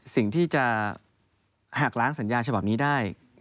สิ่งที่จะหักล้างสัญญาฉบับนี้ได้